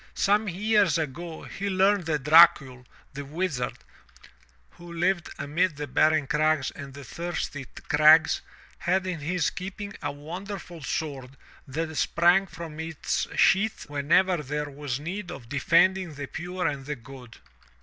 Some years ago he learned that Dracul, the Wizard, who lived amid the barren crags and the thirsty crags, had in his keep ing a wonderful sword that sprang from its sheath whenever 377 M Y BOOK HOUSE there was need of defending the pure and the good.